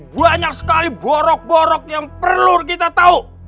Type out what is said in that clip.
banyak sekali borok borok yang perlu kita tahu